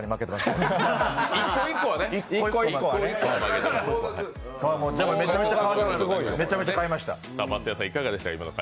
でもめちゃめちゃ買いました。